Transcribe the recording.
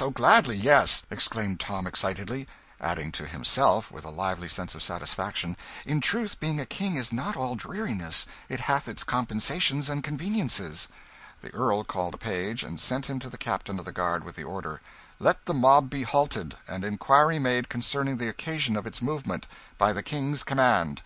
O gladly, yes!" exclaimed Tom excitedly, adding to himself with a lively sense of satisfaction, "In truth, being a king is not all dreariness it hath its compensations and conveniences." The Earl called a page, and sent him to the captain of the guard with the order "Let the mob be halted, and inquiry made concerning the occasion of its movement. By the King's command!"